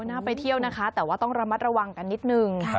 น่าไปเที่ยวนะคะแต่ว่าต้องระมัดระวังกันนิดนึง